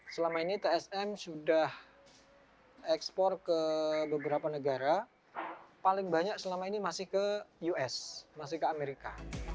selama ini tsm sudah ekspor ke beberapa negara paling banyak selama ini masih ke us masih ke amerika